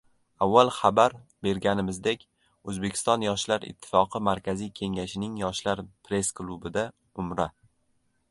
Avval xabar berganimizdek, O‘zbekiston yoshlar ittifoqi markaziy kengashining "Yoshlar press-klubi"da Umra